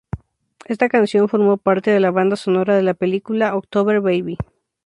Esta canción formó parte de la banda sonora de la película "October Baby".